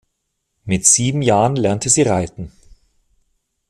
Mit sieben Jahren lernte sie reiten.